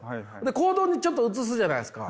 行動にちょっと移すじゃないですか。